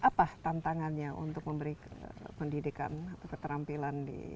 apa tantangannya untuk memberi pendidikan atau keterampilan di